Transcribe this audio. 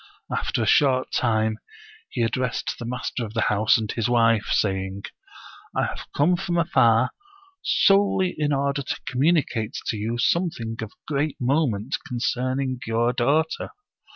After a short time, he addressed the master of the house and his wife, saying: " I have come from afar solely in order to communicate to you something of great moment concerning your daughter.